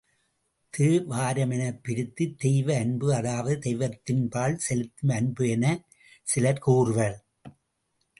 தே வாரம் எனப் பிரித்துத், தெய்வ அன்பு அதாவது தெய்வத்தின்பால் செலுத்தும் அன்பு எனச் சிலர் கூறுவர்.